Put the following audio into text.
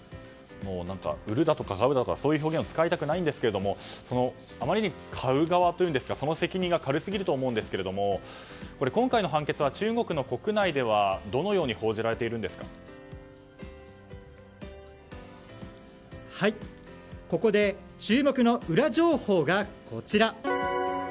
売るだとか買うだとかそういう表現を使いたくないんですがあまりにも買う側というんですがそちら側の軽すぎると思うんですが今回の判決は中国の国内ではどのようにここで注目のウラ情報がこちら。